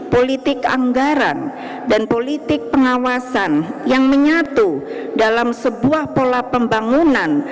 politik anggaran dan politik pengawasan yang menyatu dalam sebuah pola pembangunan